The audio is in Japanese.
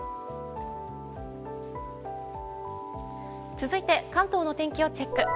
続いて、関東の天気をチェック。